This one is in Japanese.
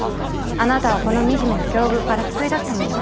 あなたをこの惨めな境遇から救い出すために私は来たの。